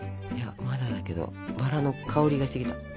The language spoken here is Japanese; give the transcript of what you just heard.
いやまだだけどバラの香りがしてきた。